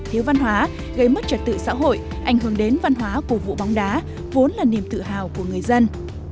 thiếu văn hóa gây mất trật tự xã hội ảnh hưởng đến văn hóa cổ vũ bóng đá vốn là niềm tự hào của người dân